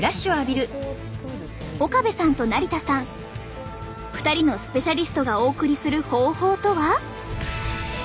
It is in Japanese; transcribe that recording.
岡部さんと成田さん２人のスペシャリストがお送りする方法とは？